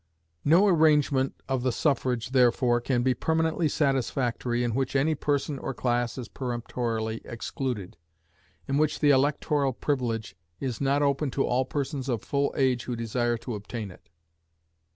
No arrangement of the suffrage, therefore, can be permanently satisfactory in which any person or class is peremptorily excluded in which the electoral privilege is not open to all persons of full age who desire to obtain it.